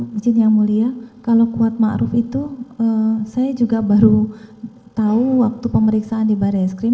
maksudnya yang mulia kalau kuat ma'ruf itu saya juga baru tahu waktu pemeriksaan di barai es krim